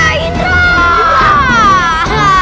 tepung dong ra